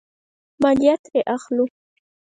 مالیه ترې اخلو.